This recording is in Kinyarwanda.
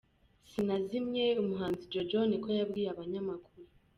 Sinazimye umuhanzi Jojo niko yabwiye abanyamakuru